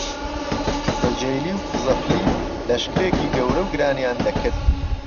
دەجهیلی و فوزهپلی لهشکرێکی گهوره و گرانیان دهکرد